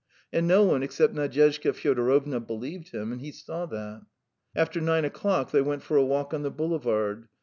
And no one, except Nadyezhda Fyodorovna, believed him, and he saw that. After nine o'clock they went for a walk on the boulevard.